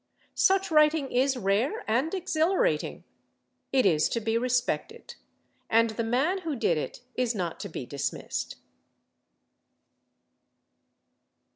Such writing is rare and exhilarating. It is to be respected. And the man who did it is not to be dismissed.